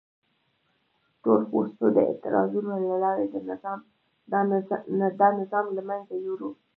تور پوستو د اعتراضونو له لارې دا نظام له منځه یووړ.